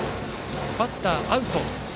バッター、アウト。